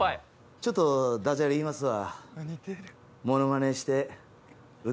ちょっとダジャレ言いますわ。